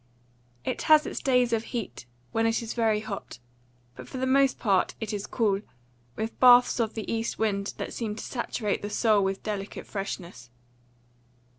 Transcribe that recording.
It has its days of heat, when it is very hot, but for the most part it is cool, with baths of the east wind that seem to saturate the soul with delicious freshness.